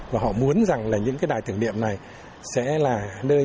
và họ muốn rằng là những cái đài tưởng niệm này sẽ là nơi